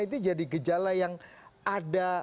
itu jadi gejala yang ada